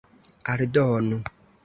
aldonu